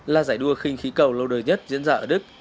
là giải đua khinh khí cầu lâu đời nhất diễn ra ở đức